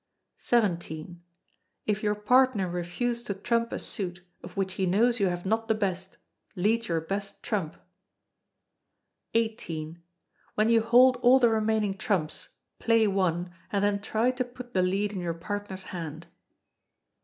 xvii. If your partner refuse to trump a suit, of which he knows you have not the best, lead your best trump. xviii. When you hold all the remaining trumps, play one, and then try to put the lead in your partner's hand.